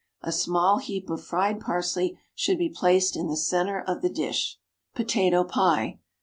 A small heap of fried parsley should be placed in the centre of the dish. POTATO PIE.